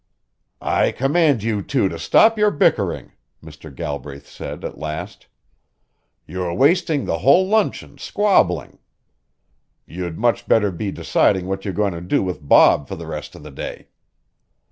"I command you two to stop your bickering," Mr. Galbraith said at last. "You are wasting the whole luncheon, squabbling. You'd much better be deciding what you are going to do with Bob for the rest of the day."